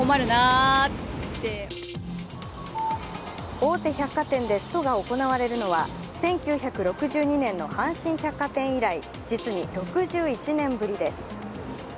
大手百貨店でストが行われるのは１９６２年の阪神百貨店以来、実に６１年ぶりです。